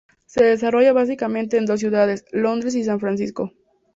Se desarrolla básicamente en dos ciudades: Londres y San Francisco.